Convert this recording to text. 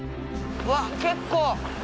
わっ結構。